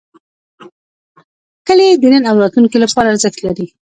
کلي د نن او راتلونکي لپاره ارزښت لري.